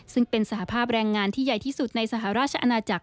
ซึ่งเป็นสหภาพแรงงานที่ใหญ่ที่สุดในสหราชอาณาจักร